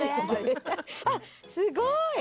あっすごい！